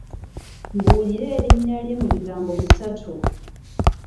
Mbuulira erinnya lye mu bigambo bisatu.